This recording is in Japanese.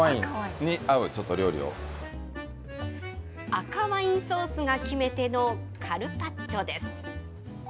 赤ワインソースが決め手のカルパッチョです。